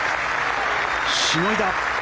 しのいだ。